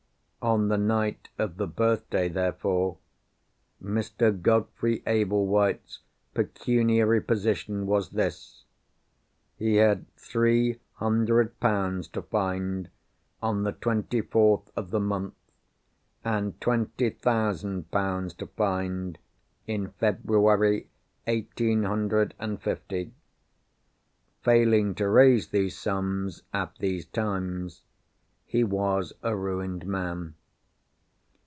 On the night of the birthday, therefore, Mr. Godfrey Ablewhite's pecuniary position was this. He had three hundred pounds to find on the twenty fourth of the month, and twenty thousand pounds to find in February eighteen hundred and fifty. Failing to raise these sums, at these times, he was a ruined man.